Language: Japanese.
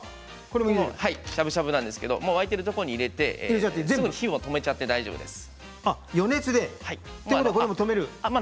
しゃぶしゃぶなんですけれども沸いているところに入れてすぐに火を止めちゃって大丈夫です。